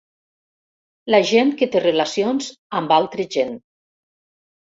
La gent que té relacions amb altre gent.